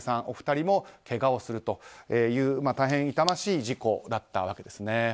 お二人もけがをするという、大変痛ましい事故だったわけですね。